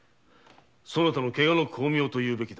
そなたのケガの功名というべきだな。